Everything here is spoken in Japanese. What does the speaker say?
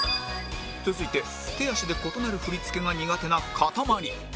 続いて手足で異なる振り付けが苦手なかたまり